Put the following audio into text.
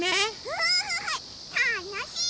うんたのしい！